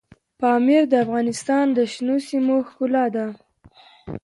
پامیر د افغانستان د شنو سیمو ښکلا ده.